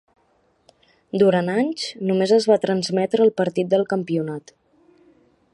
Durant anys, només es va transmetre el partit del campionat.